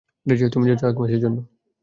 তুমি যাচ্ছো এক মাসের জন্য।